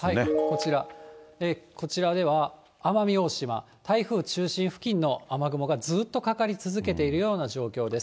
こちら、こちらでは奄美大島、台風中心付近の雨雲がずっとかかり続けているような状況です。